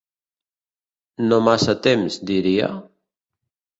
No massa temps, diria?